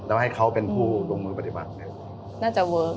เราให้เขาเป็นผู้ลงมือปฏิบัติเนี่ย